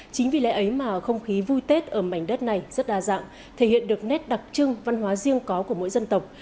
chính vì lễ ấy mà không khí vui tết ở mảnh đất này rất đa dạng thể hiện được nét đặc trưng văn hóa riêng có của mỗi dân tộc